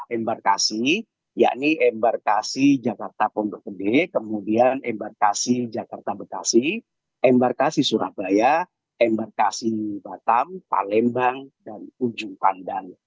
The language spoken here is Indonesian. embarkasi yakni embarkasi jakarta pondok gede kemudian embarkasi jakarta bekasi embarkasi surabaya embarkasi batam palembang dan ujung pandan